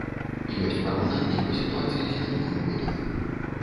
Ёсць параўнанні па сітуацыі з мінулым годам.